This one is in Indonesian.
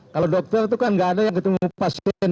kalau dokter itu kan nggak ada yang ketemu pasien